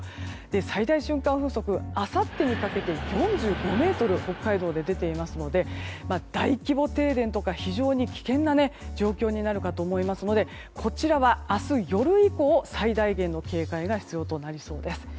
最大瞬間風速あさってにかけて４５メートルが北海道で出ていますので大規模停電とか非常に危険な状況になるかと思いますのでこちらは明日夜以降最大限の警戒が必要となりそうです。